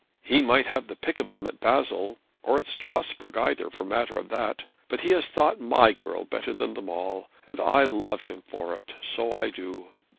He might have had the pick of them at Basle, or at Strasbourg either, for the matter of that; but he has thought my girl better than them all; and I love him for it so I do.